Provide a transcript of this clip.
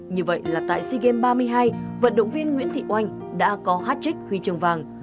như vậy là tại sea games ba mươi hai vận động viên nguyễn thị oanh đã có hat trick huy chồng vàng